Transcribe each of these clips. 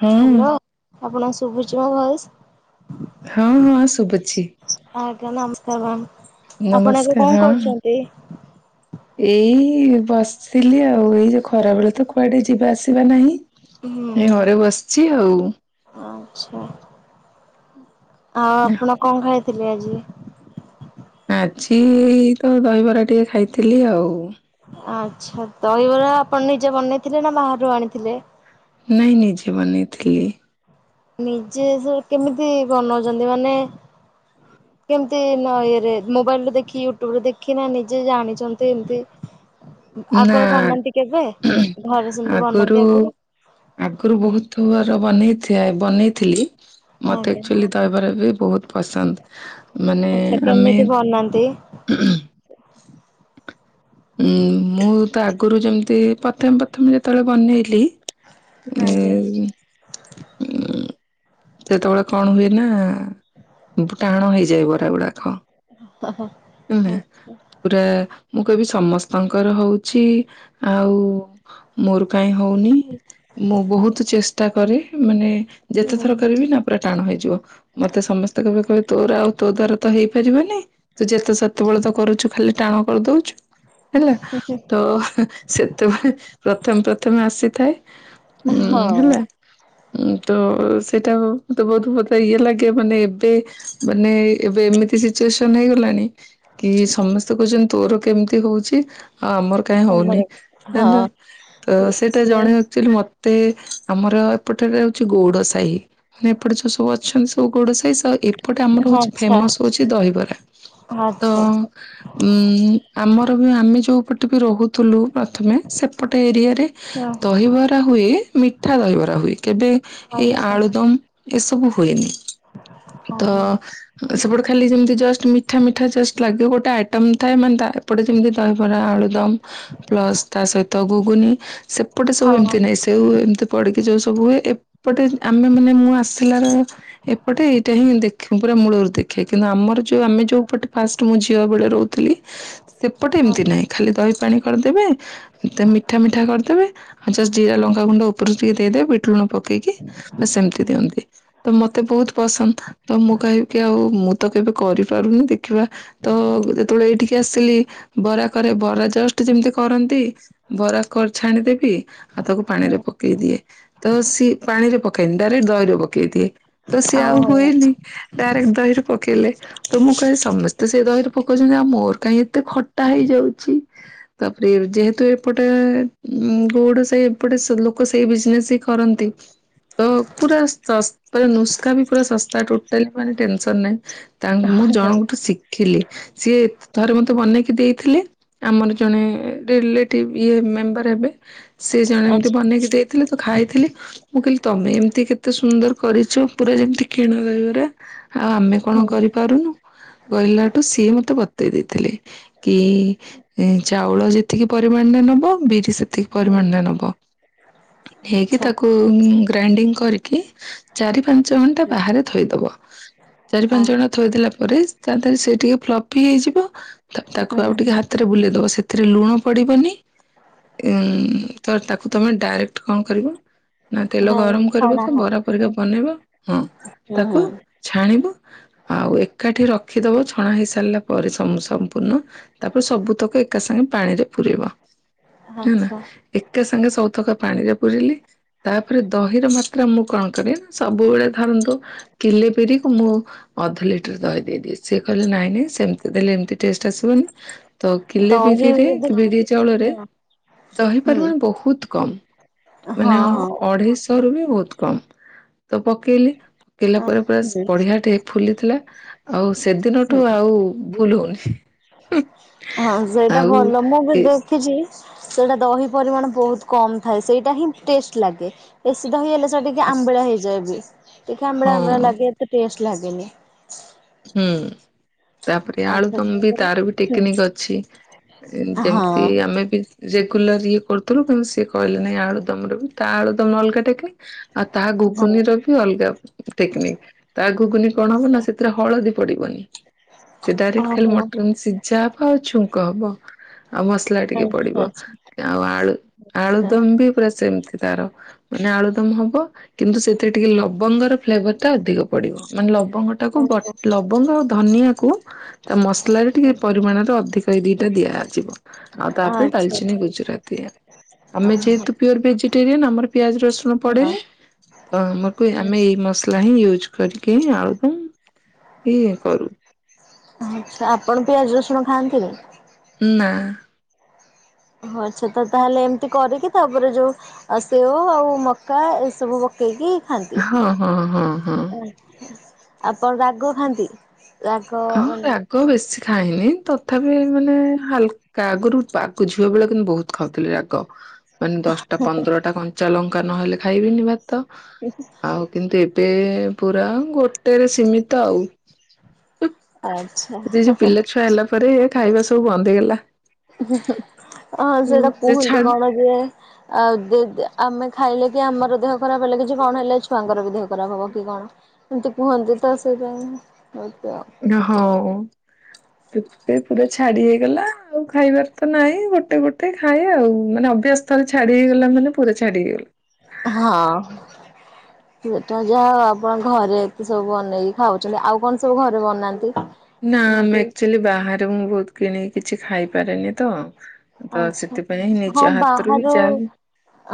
ହଁ ଆପଣଙ୍କୁ ଶୁଭୁଛି ମୋ ଭଏସ? ହଁ ହଁ ଶୁଭୁଛି। ଆଜ୍ଞା ନମସ୍କାର ମ୍ୟାାମ ଆପଣ ଏବେ ନମସ୍କାର କଅଁ ହଁ। କରୁଛନ୍ତି? ଏଇ ବସ୍ ଥିଲି ଆଉ ଏଇ ଯୋଉ ଖରାବେେଳେ ତ କୁଆଡ଼େ ଯିବା ଆସିବା ନାହିଁ। ହୁଁ ଏ ଘରେ ବସିଛି ଆଉ। ଆଚ୍ଛା। ଆ ଆପଣ କଣ ଖାଇଥିଲେ ଆଜି? ଆଜି ତ ଦହିବରା ଟିକେ ଖାଇଥିଲି ଆଉ। ଆଚ୍ଛା ଦହିବରା ଆପଣ ନିଜେ ବନେଇଥିଲେ ନା ବାହାରୁ ଆଣିଥିଲେ? ନାଇଁ ନିଜେ ବନେଇଥିଲି। ନିଜେ ଯେ କେମିତି ବନୋଉଚନ୍ତି ମାନେ କେମତି ନା ଇଏରେ ମୋବାଇଲରୁ ଦେଖି ୟୁଟ୍ୟୁବରୁ ଦେଖି ନା ନିଜେ ଜାଣିଚନ୍ତି ଏମତି ନା ଆଗରୁ ବନାନ୍ତି କେବେ ଘରେ ସେମତି ବନାନ୍ତି ଆଗରୁ? ଆଗରୁ ବୋହୁତ ବାର ବନେଇଥି ଏ ବନେଇଥିଲି ମତେ ଆଜ୍ଞା। ଆକଚୋଲି ଦହିବରା ବି ବୋହୁତ ପସନ୍ଦ ମାନେ ଆଚ୍ଛା ଆମେ କେମିତି ବନାନ୍ତି? ହୁଁଁ ଉଁ ମୁଁ ତ ଆଗରୁ ଯେମତି ପ୍ରଥମେ ପ୍ରଥମେ ଯେତଳେ ବନେଇଲି ଆଜ୍ଞା ଏଇ ସେତଳେ କଣ ହୁଏ ନା ଉବୁ ଟାଣ ହେଇଯାଏ ବରା ଗୁଡାକ। ହ ହ। ଉଁହୁଁ ପୁରା ମୁଁ କହିବି ସମସ୍ତଙ୍କର ହୋଉଛି ଆଉ ମୋର କାଇଁ ହୋଉନି ମୁଁ ବୋହୁତ ଚେଷ୍ଟା କରେ ମାନେ ଯେତେ ହୁଁ। ଥର କରିବି ନା ପୁରା ଟାଣ ହେଇଯିବ ମତେ ସମସ୍ତେ କହିବେ କହିବେ ତୋର ଆଉ ତୋ ଦ୍ଵାରା ତ ହେଇପାରିବନି। ତୁ ଯେତେ ସେତେବେଳେ ତ କରୁଚୁ ଖାଲି ଟାଣ କରିଦୋଉଚୁ। ହେଲା ତ ସେତବେଳେ ପ୍ରଥମେ ପ୍ରଥମେ ଆସିଥାଏ ଉଁ ହଁ ହେଲା ଉଁ ତ ସେଇଟା ତ ବହୁତ ମତେ ଇଏ ଲାଗେ ମାନେ ଏବେ ମାନେ ଏବେ ଏମିତି ସିଚୁଏସନ ହେଇଗଲା କି ସମସ୍ତେ କୋହୁଚନ୍ତି ତୋର କେମତି ହୋଉଚି ଆଉ ଆମର କାଇଁ ତମର ହୋଉନି ଏନଟା ହଁ ତ ସେଇଟା ଜଣେ ଚୋଲି ମତେ ଆମର ଏପଟରେ ହୋଉଚି ଗୋଉଡ ସାହି। ମାନେ ଏପଟେ ଯୋଉ ସବୁ ଅଛନ୍ତି ସବୁ ଗୋଉଡ଼ ସାହି ସ ଏପଟେ ଆମର ଆଚ୍ଛା ହୋଉଚି ଆଚ୍ଛା ଫେମସ୍ ହୋଉଚି ଦହିବରା। ତ ଆଚ୍ଛା ଉଁ ଆମର ବି ଆମେ ଯେଉଁପଟେ ବି ରହୁଥିଲୁ ପ୍ରଥମେ ସେପଟ ଏରିଆରେ ଦହିବରା ହୁଏ ମିଠା ଦହିବରା ହୁଏ କେବେ ଏଇ ଆଚ୍ଛା ଆଳୁଦମ୍ ଏସବୁ ହୁଏନି ତ ଓହୋ ଉ ସେପଟେ ଖାଲି ସେମତି ଜଷ୍ଟ ମି ମିଠା ମିଠା ଜଷ୍ଟ ଲାଗେ ଗୋଟେ ଆଇଟମ୍ ଥାଏ ମାନେ ତା ଏପଟେ ଯେମତି ଦହିବରା ଆଳୁଦମ୍ ପ୍ଲସ୍ ତା ସହିତ ଗୁଗୁନି ସେପଟେ ସବୁ ହଁ ଏମତି ନାଇଁ ସେ ସେଉ ଏମତି ପଡ଼ିକି ଯୋଉ ସବୁ ହୁଏ ଏପଟେ ଆମେ ମାନେ ମୁଁ ଆସିଲାରେ ଏପଟେ ଏଇଟା ହିଁ ଦେଖ ପୁରା ମୂଳରୁ ଦେଖାଏ କିନ୍ତୁ ଆମର ଯୋଉ ଆମେ ଯୋଉ ସେପଟେ ଫାଷ୍ଟ ମୁଁ ଝିଅ ବେଳେ ରହୁଥିଲି ସେପଟେ ଏମତି ହବ ନାଇଁ ଖାଲି ଦହି ପାଣି କରିଦେବେ ଏତେ ମିଠା ମିଠା କରିଦେବେ ଆଉ ଜଷ୍ଟ ଜିରା, ଲଙ୍କା ଗୁଣ୍ଡ ଉପରୁ ଟିକେ ଦେଇଦେବେ ବିଟ ଲୁଣ ପକେଇକି ବାସ୍ ଏମତି ଦିଅନ୍ତି। ତ ମତେ ବୋହୁତ ପସନ୍ଦ ତ ମୁଁ କହିବିକି ଆଉ ମୁଁ ତ କେବେ କରିପାରୁନି ଦେ ଖିବା ତ ଯେତେବେଳେ ଏଇଠିକି ଆସିଲି ବରା କରେ ବରା ଜଷ୍ଟ ଯେମତି କରନ୍ତି ବରା କର ଛାଣିଦେବି ଆଉ ତାକୁ ପାଣିରେ ପକେଇଦିଏ। ତ ସିଏ ପାଣି ରେ ପକାଏନି ଡାଇରେକ୍ଟ୍ ଦହିରେ ପକେଇ ଦିଏ ତ ସିଏ ହଉ ଆଉ ହଉ ହୁଏନି। ଡାଇରେକ୍ଟ୍ ଦହିରେ ପକେଇଲେ ତ ମୁଁ କହେ ସମସ୍ତେ ସେ ଦହିରେ ପକୋଉଚନ୍ତି ଆଉ ମୋର କାହିଁ ଏତେ ଖଟା ହେଇଯାଉଚି? ତାପରେ ଯେହେତୁ ଏପଟେ ଗୋଡ ସେ ଏପଟେ ସେ ଲୋ କୋ ସେଇ ବିଜ୍ନେସ୍ ହିଁ କରନ୍ତି। ତ ପୁରା ନୁସ୍କା ବି ପୁରା ଶସ୍ତା ଟୋଟାଲି ମାନେ ଟେନ୍ସନ୍ ନାହିଁ। ତା ମୁଁ ଆଚ୍ଛା ଜଣଙ୍କଠୁ ଶିଖିଲି ସିଏ ଥରେ ମତେ ବନେଇକି ଦେଇଥିଲେ। ଆମର ଜଣେ ରିଲେଟିଭ ଇଏ ମେମ୍ବର ହେବେ। ସିଏ ଜଣେ ଏମିତି ଆଚ୍ଛା ବନେଇକି ଦେଇଥିଲେ ତ ଖାଇଥିଲି। ମୁଁ କହିଲି ତମେ ଏମିତି କେତେ ସୁନ୍ଦର କରିଚ ପୁରା ଯେମିତି କିଣା ଦହିବରା। ଆଉ ଆମେ ହୁଁ କଣ କରିପାରୁନୁ? କହିଲାଠୁ ସିଏ ମୋତେ ବତେଇ ଦେଇଥିଲେ। କି ଚାଉଳ ଯେତିକି ପରିମାଣରେ ନବ ବିରି ସେ ତିକି ହୁଁ ପରିମାଣରେ ନବ ନେଇକି ଆଚ୍ଛା ତାକୁ ଗ୍ରାଇଣ୍ଡିଙ୍ଗ୍ କରିକି ଚାରି ପାଞ୍ଚ ଘଣ୍ଟା ବାହାରେ ଥୋଇଦବ, ଚାରି ଆ ପାଞ୍ଚ ଘଣ୍ଟା ଥୋଇଦଲା ପରେ ତା ଦେହରେ ସେ ଟିକେ ଫ୍ଲପି ହେଇଯିବ ହୁଁ ତାକୁ ଆଉ ଟିକେ ହୁଁ ହା ହାତରେ ବୁଲେଇଦେବ ସେଥିରେ ଲୁଣ ପଡ଼ିବନି। ଉଁ ତ ତାକୁ ତମେ ଡାଇରେକ୍ଟ୍ କଣ କରିବ ନା ତେଲ ଦହି ଗରମ କରିବ ଛଣା ତ ହବ ବରା ପରିକା ବନେଇବ ହଁ ହୁଁ ହୁଁ ତାକୁ ଛାଣିବ ଆଉ ଏକାଠି ରଖିଦବ ଛଣା ହେଇସାରିଲା ପରେ ସମ୍ପୂର୍ଣ୍ଣ। ତାପରେ ସବୁ ତକ ଏକା ସାଙ୍ଗେ ପାଣିରେ ପୁୁରେବ ହେଲା। ଆଚ୍ଛା କେ ସାଙ୍ଗେ ସଉତକା ପାଣି ରେ ପୁରିଲି। ତାପରେ ଦହିର ମାତ୍ରା ମୁଁ କଁ କରେ ସବୁବେଳେ ଧରନ୍ତୁ। କିଲେ ବିରିକୁ ମୁଁ ଅଧ ଲିଟର୍ ଦହି ଦେଇଦେଏ ସିଏ କହିଲେ ନାଇଁ ସେମିତି ଦେଲେ ଏମତି ଟେଷ୍ଟ୍ ଆସିବନି ତ କିଲେ ଦହି ବିରିରେ ଯଦି ବିରି ଚାଉଳରେ ହଁ ଦହି ହୁଁ ପରିମାଣ ବୋହୁତ୍ କମ୍ ହଁ ମାନେ ହଁ ଅଢେଇଶ୍ ସରୁ ବି ବୋହୁତ୍ କମ୍ ତ ପକେଇଲି। କେଲଲା ପରେ ପୁରା ହୁଁ ବଢିଆ ଟେ ଫୁଲିଥିଲା ଆଉ ସେଦିନଠୁ ହୁଁ ଆଉ ଭୁଲ୍ ହୋଉନି, ଆଉ ଏ ଖିଚି ସେଇଟା ଦହି ପରିମାଣ ବୋହୁତ୍ କମ୍ ଥାଏ ସେଇଟା ହିଁ ଟେଷ୍ଟ୍ ଲାଗେ ବେସି ଦହି ହେଲେ ଟିକେ ଆମ୍ବଳା ହେଇଯାଏ ବି, ଟିକେ ଆମ୍ବଳା ହଁ ଆମ୍ବଳା ଲାଗେ ତ ଟେଷ୍ଟ୍ ଲାଗେନି। ହୁଁ। ତାପରେ ଆଚ୍ଛା ଆଳୁଦମ୍ ବି ତାପରେ ତାର ବି ଟେକ୍ନିକି ଅଛି, ହଁ ଯେମ୍ତି ଆମେ ବି ରେଗୁଲାର୍ ଇଏ କରୁଥିଲୁ କିନ୍ତୁ ସିଏ କହିଲେ ନାଇଁଳୁଦମ୍ ର ବି ତା ଆଳୁଦମ୍ ଅଲ୍ଗା ଟେକ୍ନିକ୍। ଆଉ ତା ହଁ। ଘୁଗୁନି ର ବି ଅଲଗା ଟେକ୍ନିକ ତା ଘୁଗୁନି କଣ ହବ ନା ସେ ତିରେ ହଳଦୀ ପଡିବନି, ସେ ଡାଇରେକ୍ଟ ଖାଲି ଓହୋ ମଟନ୍ ସିଝା ହବ ଆଉ ଛୁଙ୍କ ହବ। ଆଉ ମସ୍ଲା ଟିକେ ପଡିବ, ଆଚ୍ଛା ଆଚ୍ଛା ଆଉ ଆଳୁ ଆଚ୍ଛା। ଆଳୁଦମ୍ ବି ପୁରା ସେମ୍ତି ତାର। ମାନେ ଆଳୁଦମ ହବ କିନ୍ତୁ ସେଥିରେ ଟିକେ ଲବଙ୍ଗର ଫ୍ଲେଭର୍ ଟା ଅଧିକ। ପଡିବ ମାନେ ଲବଙ୍ଗ ଟାକୁ ବ ଲବଙ୍ଗ ଆଉ ଧନିଆକୁ ତା ମସ୍ ଲାରେ ଟିକେ ପରିମାଣରେ ଅଧିକ ଏଇ ଦିଟା ଦିଆଯିବ। ଆଉ ତାପରେ ଆଚ୍ଛା ଡାଲ୍ଚିନି ଆଚ୍ଛା ଗୁଜୁରତି ଆମେ ଓହୋ ଯେହେତୁ ପିଓର୍ ଭେଜିଟେରିୟାନ୍ ଆମର ପିଆଜ ରସୁଣ ହଁ। ପଡେନି, ତ ଆମକୁ ଆମେ ଏଇ ମସଲା ହିଁ ୟୁଜ୍ କରିକି ଆଳୁଦମ୍ ଇ କରୁ। ଆଛା ଆପଣ ପିଆଜ ରସୁଣ ଖାଆନ୍ତିନି? ନା। ଓ ଆଚ୍ଛା ତ ତାହେଲେ ଏମିତି କରିକି ତାପରେ ଯୋଉ ଆଉ ସେଓ ଆଉ ମକା ଏସବୁ ପକେଇକି ଖାଆନ୍ତି ହଁ ହଁ ହଁ ହଁ। ଆଚ୍ଛା ଆପଣ ରାଗ ଖାଆନ୍ତି? ଲାଗେ ହଁ ମାନେ ରାଗ ବେଶୀ ଖାଏନି। ତଥାପି ମାନେ ହାଲ ଆଗରୁ ଆଗକୁ ଝିଆ ବେଳେ କିନ୍ତୁ ବହୁତ ଖାଉଥିଲି ରାଗ। ମାନେ ଦଶଟା ପନ୍ଦରଟା କଞ୍ଚା ଲଙ୍କା ନହେଲେ ଖାଇବିନି ଭାତ। [inaudible] ଆଉ କିନ୍ତୁ ଏବେ ପୁରା ଗୋଟେରେ ସୀମିତ ଆଉ। ଆଚ୍ଛା ଯ ଯୋଉ ପିଲା ଛୁଆ ହେଲା ପରେ ଖାଇବା ସବୁ ବନ୍ଦ ହେଇଗଲା। ହଁ ସେଇଟା ଯେ କୁହନ୍ତି ଛାଡ କଣ ଯେ ଆଉ ଆମେ ଖାଇଲେ କି ଆମର ଦେହ ଖରାପ ହେଲେ କିଛି କଣ ହେଲେ ଛୁଆଙ୍କର ବି ଦେହ ଖରାପ ହବ କି କଣ? କୁହନ୍ତି ତ ହଉ। ସେ ପୁରା ଛାଡି ହେଇଗଲା ଆଉ ଖାଇବାର ତ ନହିଁ ଗୋଟେ ଗୋଟେ ଖାଏ ଆଉ ମାନେ ଅଭ୍ୟାସ ତାହେଲେ ଛାଡିଇଗଲା ମାନେପୁରା ଛାଡି ହେଇଗଲା। ହଁ। ସେ ଯାହା ଆପଣ ଘରେ ଏତେ ସବୁ ବନେଇକି ଖାଉଛନ୍ତି ଆଉ କଣ ସବୁ ଘରେ ବନାନ୍ତି। ନା ଆମେ ଏମତି ଆଚୁଆଲି ବାହାରେ ମୁଁ ବହୁତ କିଣିକି କିଛି ଖାଇପାରେନି ତ ତ ଆଚ୍ଛା ସେଥିପାଇଁ ନିଜ ହଁ ହାତରୁ ବି ବାହାରୁ ଯାହାବି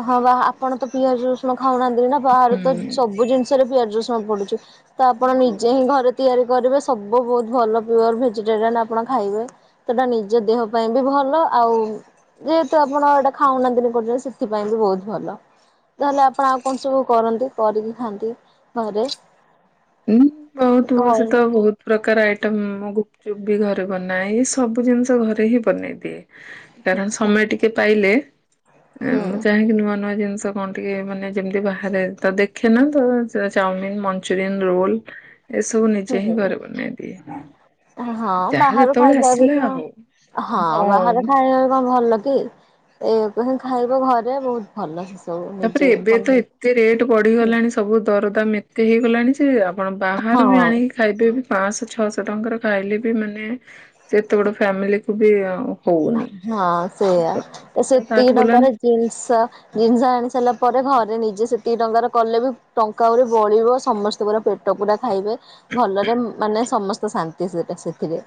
ହଁ ବା ଆପଣ ତ ପିଆଜ ରୋସୁଣ ଖାଉନାହାନ୍ତି ନା ବାହାରୁ ତ ହୁଁ ସବୁ ଜିନିଷରେ ପିଆଜ ରସୁଣ ପଡୁଛି। ତ ଆପଣ ହଉ। ନିଜେ ହିଁ ଘରେ ତିଆରି କରିବେ ସବୁ ବହୁତ ଭଲ ପିଓର ଭେଜିଟେରିଆନ ଆପଣ ଖାଇବେ। ସେଟା ନିଜ ଦେହ ପାଇଁ ବି ଭଲ ଆଉ ଯେହେତୁ ଆପଣ ଏଇଟା ଖାଉନାହାନ୍ତିନ କରୁଛନ୍ତି ସେଥିପାଇଁ ବି ବହୁତ ଭଲ। ତାହେଲେ ଆପଣ ଆଉ କଣ ସବୁ କରନ୍ତି କରିକି ଖାଆନ୍ତି ଘରେ ହୁଁ ବହୁତ ବଷୁ ତ ଘରେ ବହୁତ ପ୍ରକାର ଆଇଟମ୍ ଗୁପଚୁପ୍ ବି ଘରେ ବନାଏ ଏଇ ସବୁ ଜିନିଷ ଘରେ ହିଁ ବନେଇ ଦିଏ। କାରଣ ସମୟ ଟିକେ ପାଇଲେ ହୁଁ ମୁଁ ଚାହିଁକି ନୂଆ ନୂଆ ଜିନିଷ କଣ ଟିକେ ମାନେ ଯେମିତି ବାହାରେ ତ ଦେଖେ ନା ତ ଚାଉମିିନ ମଞ୍ଚୁରିଆନ ରୋଲ। ଏସବୁ ନିଜେ ହିଁ ହୁଁ। ଘରେ ବନେଇ ଦିଏ। ହଁ ଯାହା ବାହାରୁ ଯେତେବେଳେ ଖାଇବା ବି ଆସିଲା କଣ ଆଉ। ହଁ ବାହାରେ ଖାଇବା କଣ ଭଲ କି? ଏ କ ଖାଇବ ଘରେ ବହୁତ ଭଲ ସେ ସବୁ ତାପରେ ନିଜେ ଏବେ ତ ବନେଇ ଏତେ ରେଟ୍ ବଢିଗଲାଣି ସବୁ ଦରଦାମ ଏତେ ହେଇଗଲାଣି ଯେ ଆପଣ ବାହାରୁ ବି ହଁ ଆଣି ଖାଇବେ ବି ପାଞ୍ଚଶହ ଛଅଶହ ଟଙ୍କାର ଖାଇଲେ ବି ମାନେ ସେତେ ବଡ ଫ୍ୟାମିଲିକୁୁ ବି ଆଉ। ହଁ ସେଇୟା ତ ସେଟା ସେତିକି ତାଠୁ ଭଲ ଟଙ୍କାର ଜିନ୍ସ ଜିନିଷ ଆଣି ସାରିଲା ପରେ ଘରେ ନିଜେ ସେତିକି ଟଙ୍କାର କଲେ ବି ଟଙ୍କା ବଳିବ ସମସ୍ତଙ୍କର ପେଟ ପୁରା ଖାଇବେ ଭଲରେ ମାନେ ସମସ୍ତେ ଶାନ୍ତି ସେଟା ସେଥିରେ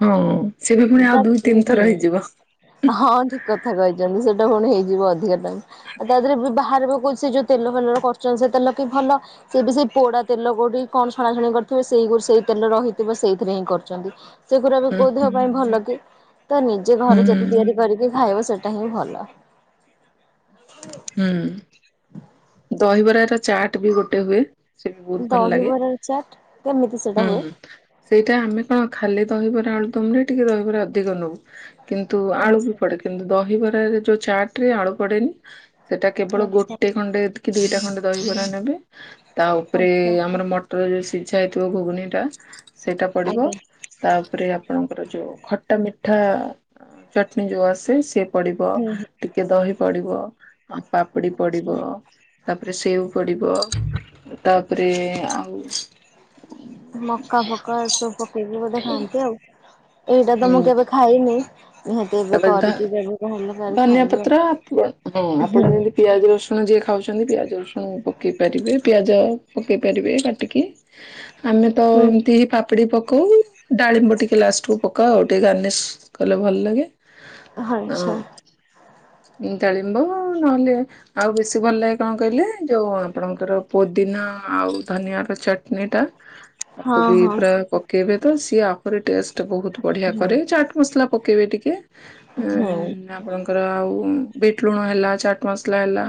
ହଁ ସେ ବି ପୁଣି ତା ଆଉ ଦୁଇ ତିନି ଥର ହୁଁ ହେଇଯିବ। ହଁ ଠିକ କଥା କହିଛନ୍ତି ସେଟା ପୁଣି ହେଇଯିବ ଅଧିକା ଟାଇମ ଆଉ ତା ଦେହରେ ବି ବାହାରିବା କହୁ ତେଲ ଫେଲ କରୁଛନ୍ତି ସେ ତେଲ କି ଭଲ ସେ ବି ସେଇ ପୋଡା ତେଲ କୋଉଠି କଣ ଶଣାସୁଣି କରିଥିବ ସେଇ ସେଇ ତେଲ ରହିଥିବ ସେଇଥିରେ ହିଁ କରୁଛନ୍ତି। ସେଗଡ଼ା ବି ହୁଁ କୋଉ ଦେବା ହୁଁ ପାଇଁ ଭଲ କି ତ ନିଜେ ହୁଁ ଘରେ ଯେତେ ତିଆରି କରିକି ଖାଇବ ସେଇଟା ହିଁ ଭଲ। ହୁଁ। ଦହିବରା ର ଚାଟ୍ ବି ଗୋଟେ ହୁଏ। ସେ ବି ବହୁତ ଭଲ ଲାଗେ ଦହିବରାର ଚାଟ୍ କେମିତି ସେଟା ହୁଏ? ହୁଁ। ସେଇଟା ଆମେ କଣ ଖାଲି ଦହିବରା ଆଳୁ ଦମରେ ଟିକେ ଦହିବରା ଅଧିକ ନଉ କିନ୍ତୁ ଆଳୁ ବି ଆଚ୍ଛା ପଡେ କିନ୍ତୁ ଦହିବରାରେ ଯୋଉ ଚାଟ ରେ ଆଳୁ ପଡେନି ସେଟା କେବଳ ଆଚ୍ଛା ଗୋଟେ ଖଣ୍ଡେ କି ଦିଟା ଖଣ୍ଡେ ଦହକରା ନେବେ ତା ଉପରେ ଆଚ୍ଛା ଆମର ମ ଟର ରେ ସିଝା ହେଇଥିବ ଘୁଗୁନି ଟା ସେଇଟା ପଡିବ। ଆଜ୍ଞା ତାପରେ ଆପଣଙ୍କର ଯୋଉ ଖଟା ମିଠା ଚଟଣି ଯୋଉ ଆସେ ସେ ପଡିବ ହୁଁ ହୁଁ ଟିକେ ଦହି ପଡିବ ଆ ପାପୁଡି ଆଚ୍ଛା। ପଡିବ ତାପରେ ସେଓ ପଡିବ ତାପରେ ଆଉ ମକା ଫକା ଏ ସବୁ ପକେଇକି ବୋଧେ ଖାଆନ୍ତି ଆଉ। ଏଇଟା ତ ମୁଁ ହୁଁ କେବେ ଖାଇନି ନିହାତି ଏବେ ତାପରେ ଧ କରିକି ଯବେ ଧନିଆ ପତ୍ର ଆପଣ ହ ହୁଁ ଆପଣ ଯେମିତି ପିଆଜ ରସୁ ଣ ଯିଏ ଖାଉଚନ୍ତି ପିଆଜ ରସୁଣ ପକେଇ ପାରିବେ ପିଆଜ ପକେଇ ପାରିବେ କାଟିକି। ଆମେ ତ ହୁଁ ଏମତି ହିଁ ପାପ ପାପୁଡି ପକାଉ ଡାଳିମ୍ବ ଟିକେ ଲାଷ୍ଟକୁ ପକା ଆଉ ଟିକେ ଗାର୍ନିସ୍ କଲେ ଭଲ ଲାଗେ। ଆଚ୍ଛା। ଟଳିମ୍ବ ନହେଲେ ଆଉ ବେଶୀ ଭଲ ଲାଗେ କଣ କହିଲେ ଯୋଉ ଆପଣଙ୍କର ପୋଦିନା ଆଉ ଧନିଆ ର ଚଟଣିୀ ଟା ତାକୁ ହଁ ବି ହଁ ପୁରା ପକେଇବେ ତ ସିଏ ଆ ହୁରି ଟେଷ୍ଟ ବହୁତ ବଢିଆ ହୁଁ କରେ ଚାଟ୍ ମସଲା ପକେଇବେ ଟିକେ ହୁଁ। ଉମ ଆପଣଙ୍କର ଆଉ ବିଟ୍ ଲୁଣ ହେଲା ଚାଟ ମସଲା ହେଲା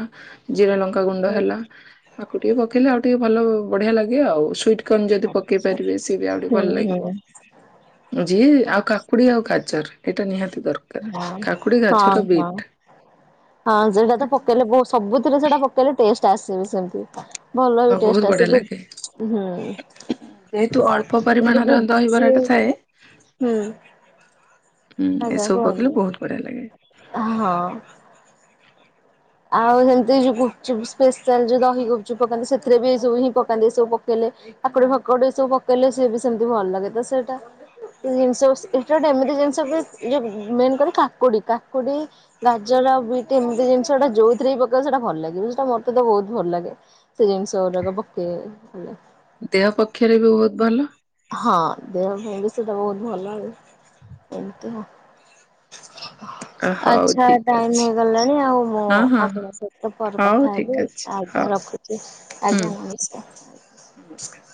ଜିରା ଲଙ୍କା ଗୁଣ୍ଡ ହେଲା ଆକୁ ଟିକେ ପକେଇଲେ ଆଉ ଟିକେ ଭଲ ବଢିଆ ଲାଗେ ଆଉ ସୁଇଟ୍ କନ ଯଦି ପକେଇ ଆଚ୍ଛା ପାରିବେ ସିଏ ବି ଆଉଡ଼ି ହୁଁ ଭଲ ହୁଁ ଲାଗିବ। ଯିଏ ଆଉ କାକୁଡି ଆଉ ଗାଜର ଏଇଟା ନିହାତି ଦରକାର। କାକୁଡି ଗାଜର ହଁ ହଁ। ବିଟ୍। ହଁ ସେଟା ତ ପକେଇଲେ ବହୁତ ସବୁଥିରେ ସେଟା ପକେଇଲେ ଟେଷ୍ଟ ଆସେବି ସେମତି। ଭଲ ଆଉ ବି ବହୁତ ଟେଷ୍ଟ ଆସେ ବଢିଆ ଯଉ ଲାଗେ। ହୁଁ। ଯେହେତୁ ଅଳ୍ପ ଏମିତି ପରିମାଣର ଗୁପଚୁପ ଦହିବରାଟା ଥାଏ ହୁଁ। ଉଁ ଆଜ୍ଞା ଏସବୁ ପକେଇଲେ କୁହନ୍ତୁ ବହୁତ ବଢିଆ ଲାଗେ। ହଁ। ଆଉ ହେମିତି ଯୋଉ ଗୁପଚୁପ ସ୍ପେଶାଲ ଯୋଉ ଦହି ଗୁପଚୁପ ପକାନ୍ତି ସେଥିରେ ବି ଏ ସବୁ ହିଁ ପକାନ୍ତି ଏ ସବୁ ପକେଇଲେ କାକୁଡି ଫାକୁଡି ସବୁ ପକେଇଲେ ସିଏ ବି ସେମିତି ଭଲ ଲାଗେ ତ ସେଟା। ଜିନିଷ ଏଟା ଗୋଟେ ଏମିତି ଜିନିଷ ବି ଯଉ ମେନ୍ କରି କାକୁଡି କାକୁଡି ଗାଜର ବିଟ ଏମିତି ଜିନିଷଟା ଯୋଉଥିରେ ବି ପକେଇବ ସେଟା ଭଲ ଲାଗିବ ସେଟା ମତେ ତ ବହୁତ ଭଲ ଲାଗେ। ସେ ଜିନିଷ ଗୁରାକ ପକେଇବେ। ଦେହ ପକ୍ଷରେ ବି ବହୁତ ଭଲ। ହଁ ଦେହ ପାଇଁ ବି ସେଟା ବହୁତ ଭଲ ଆଉ ଏମିତି ଆଉ। ହ [inaudible] ହଉ ଆଛା ଠିକ ଟାଇମ ଅଛି। ହେଇଗଲାଣି ଆଉ ମୁଁ ହଁ ହଁ ଆପଣଙ୍କ ହଁ ସହିତ ପରେ ହଉ କଥା ଠିକ ହେବି। ଅଛି ଆଜ୍ଞା ହଉ ରଖୁଚି ହୁଁ ଆଜ୍ଞା ନିମସ୍କାର। ନମସ୍କାର।